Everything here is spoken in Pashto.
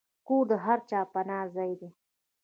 کور د هر چا پناه ځای دی.